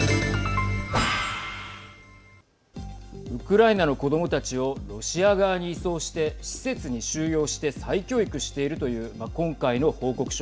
ウクライナの子どもたちをロシア側に移送して施設に収容して再教育しているという今回の報告書。